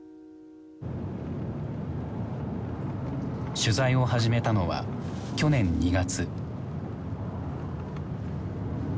取材を始めたのは去年２月。